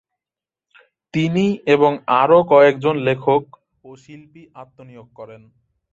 তিনি এবং আরও কয়েকজন লেখক ও শিল্পী আত্মনিয়োগ করেন।